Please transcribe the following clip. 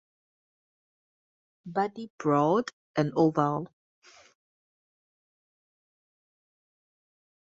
Body broad and oval.